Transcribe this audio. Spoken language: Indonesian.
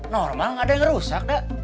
normal gak ada yang rusak dah